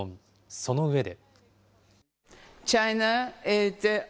その上で。